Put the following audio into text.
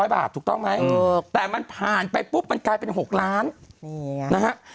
๐บาทถูกต้องไหมแต่มันผ่านไปปุ๊บมันกลายเป็น๖ล้านนี่ไงนะฮะ